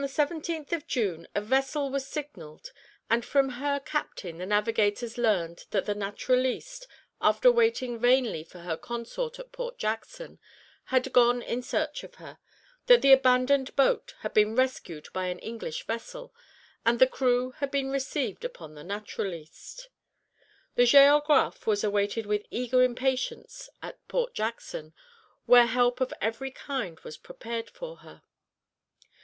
] Upon the 17th of June a vessel was signalled, and from her captain the navigators learned that the Naturaliste, after waiting vainly for her consort at Port Jackson, had gone in search of her that the abandoned boat had been rescued by an English vessel, and the crew had been received upon the Naturaliste. The Géographe was awaited with eager impatience at Port Jackson, where help of every kind was prepared for her.